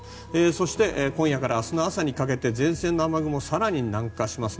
そして今夜から明日の朝にかけて前線の雨雲が更に南下します。